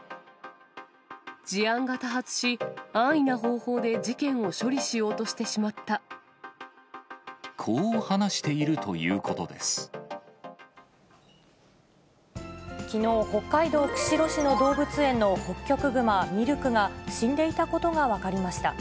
事案が多発し、安易な方法でこう話しているということできのう、北海道釧路市の動物園のホッキョクグマ、ミルクが死んでいたことが分かりました。